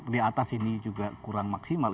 di atas ini juga kurang maksimal